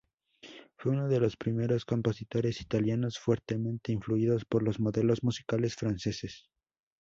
Fue uno de los primeros compositores italianos fuertemente influidos por los modelos musicales franceses.